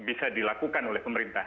bisa dilakukan oleh pemerintah